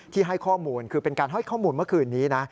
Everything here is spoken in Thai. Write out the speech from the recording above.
ให้ข้อมูลคือเป็นการให้ข้อมูลเมื่อคืนนี้นะ